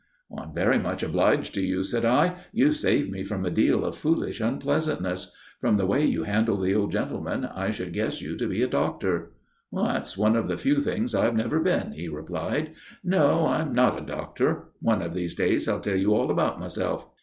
"I'm very much obliged to you," said I. "You've saved me from a deal of foolish unpleasantness. From the way you handled the old gentleman I should guess you to be a doctor." "That's one of the few things I've never been," he replied. "No; I'm not a doctor. One of these days I'll tell you all about myself."